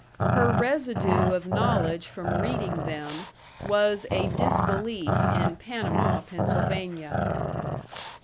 Her residue of knowledge from reading them was a disbelief in Panama, Pennsylvania.